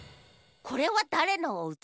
これはだれのおうち？